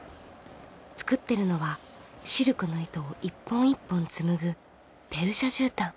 作ってるのはシルクの糸を１本１本紡ぐペルシャ絨毯。